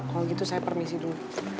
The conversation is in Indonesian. kalau gitu saya permisi dulu